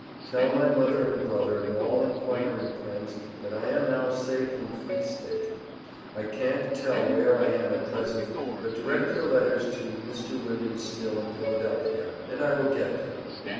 Tell my Mother and Brother and all enquiring friends that I am now safe in free state. I cant tell where I am at present but Direct your Letters to Mr. William Still in Philadelphia and I will get them.